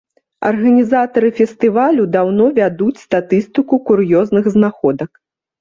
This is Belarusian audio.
Арганізатары фестывалю даўно вядуць статыстыку кур'ёзных знаходак.